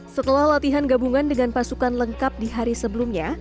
setelah latihan gabungan dengan pasukan lengkap di hari sebelumnya